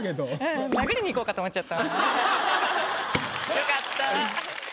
良かった。